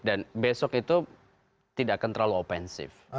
besok itu tidak akan terlalu opensif